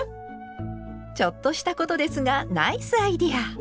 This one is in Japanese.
ちょっとしたことですがナイスアイデア！